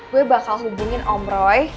gue bakal hubungin om roy